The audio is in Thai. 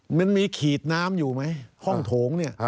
มันมีขีดน้ำอยู่ไหมห้องโถงเนี่ย